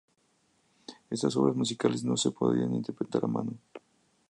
Estas obras musicales no se podían interpretar a mano.